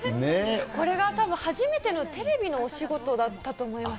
これがたぶん初めてのテレビのお仕事だったと思います。